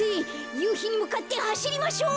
ゆうひにむかってはしりましょう！